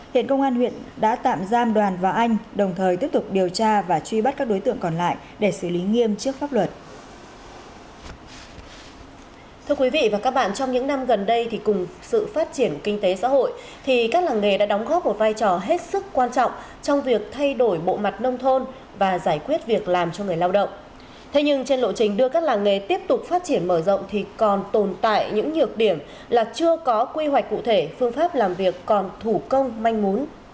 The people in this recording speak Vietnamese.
hiện công an huyện đã tạm giam đoàn vào anh đồng thời tiếp tục điều tra và truy bắt các đối tượng còn lại để xử lý nghiêm trước pháp luật